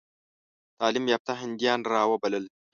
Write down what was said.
تعلیم یافته هندیان را وبلل.